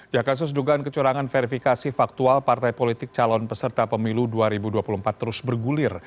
ya kasus dugaan kecurangan verifikasi faktual partai politik calon peserta pemilu dua ribu dua puluh empat terus bergulir